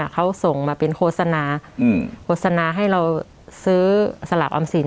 เขาส่งมาเป็นโฆษณาโฆษณาให้เราซื้อสลากออมสิน